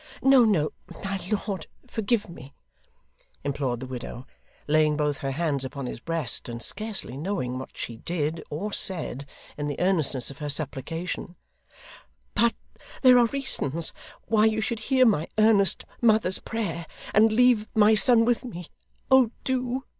'No, no, my lord, forgive me,' implored the widow, laying both her hands upon his breast, and scarcely knowing what she did, or said, in the earnestness of her supplication, 'but there are reasons why you should hear my earnest, mother's prayer, and leave my son with me. Oh do!